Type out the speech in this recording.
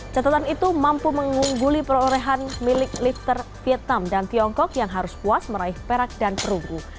catatan itu mampu mengungguli perolehan milik lifter vietnam dan tiongkok yang harus puas meraih perak dan perunggu